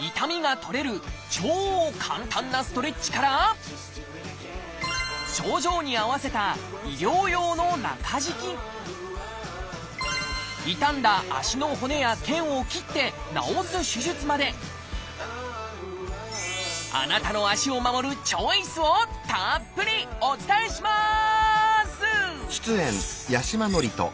痛みが取れる超簡単なストレッチから症状に合わせた傷んだ足の骨や腱を切って治す手術まであなたの足を守るチョイスをたっぷりお伝えします！